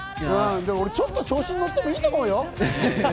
ちょっと調子乗ってもいいと思うよ。